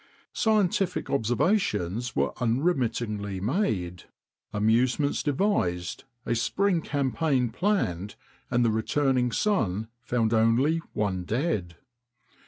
Scientific observations were unremittingly made, amusements devised, a spring campaign planned, and the returning sun found only one dead.